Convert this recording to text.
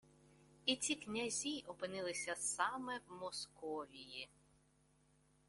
І ці князі опинилися саме в Московії